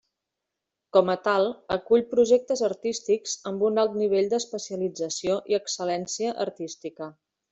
Com a tal, acull projectes artístics amb un alt nivell d'especialització i excel·lència artística.